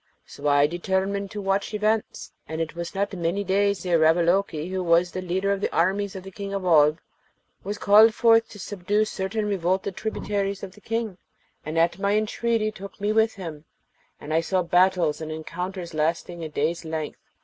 So I determined to watch events, and it was not many days ere Ravaloke, who was the leader of the armies of the King of Oolb, was called forth to subdue certain revolted tributaries of the King, and at my entreaty took me with him, and I saw battles and encounters lasting a day's length.